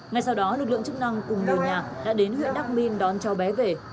ngày sau đó lực lượng chức năng cùng người nhà đã đến huyện đắk minh đón cho bé về